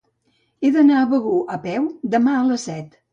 He d'anar a Begur a peu demà a les set.